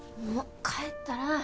もう帰ったら？